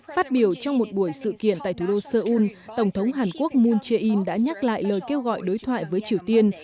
phát biểu trong một buổi sự kiện tại thủ đô seoul tổng thống hàn quốc moon jae in đã nhắc lại lời kêu gọi đối thoại với triều tiên